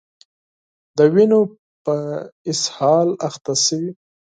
د وینو په اسهال اخته شوي